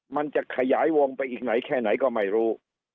มันจะขยายวงไปอีกไหนแค่ไหนก็ไม่รู้